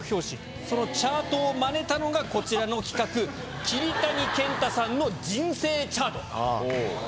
そのチャートをまねたのがこちらの企画「桐谷健太さんの人生チャート」。